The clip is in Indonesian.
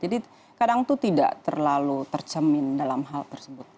jadi kadang itu tidak terlalu tercemin dalam hal tersebut